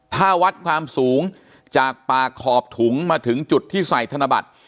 ถ้าวัดความสูงจากปากขอบถุงมาถึงจุดที่ใส่ธนบัตร